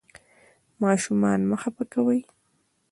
ماشومان مه خفه کوئ.